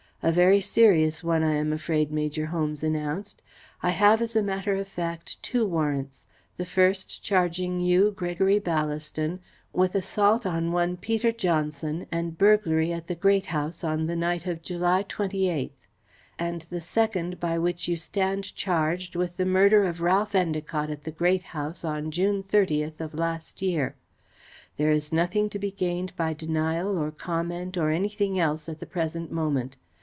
"A very serious one, I am afraid," Major Holmes announced. "I have, as a matter of fact, two warrants; the first charging you, Gregory Ballaston, with assault on one Peter Johnson, and burglary at the Great House on the night of July 28th, and the second by which you stand charged with the murder of Ralph Endacott at the Great House on June 30th of last year. There is nothing to be gained by denial or comment or anything else, at the present moment.